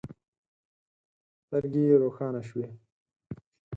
سترګې يې روښانه شوې.